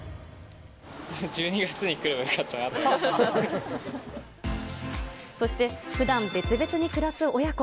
１２月に来ればよかったなとそして、ふだん別々に暮らす親子。